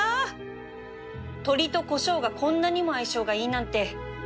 鶏とこしょうがこんなにも相性がいいなんて